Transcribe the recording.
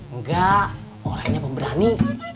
enggak orangnya pemberani